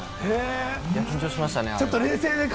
緊張しましたね。